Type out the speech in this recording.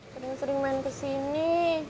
sering sering main kesini